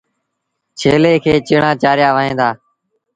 ڇيلي کي چڻآݩ چآريآ وهن دآ۔